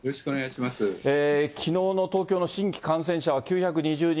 きのうの東京の新規感染者は、９２０人。